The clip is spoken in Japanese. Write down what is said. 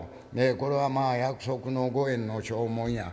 これはまあ約束の５円の証文や。